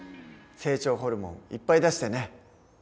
成長ホルモンいっぱい出してね。